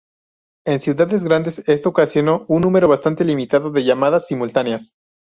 En ciudades grandes esto ocasionó un número bastante limitado de llamadas simultáneas.